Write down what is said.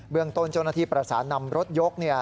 เบื้องต้นโจรนาทีประสานนำรถยกเนี่ย